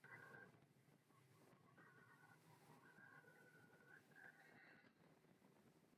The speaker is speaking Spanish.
La primera edición tuvo lugar exactamente en el primer aniversario del atentado.